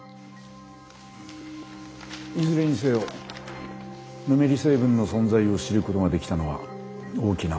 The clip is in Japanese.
いずれにせよぬめり成分の存在を知ることができたのは大きな一歩です。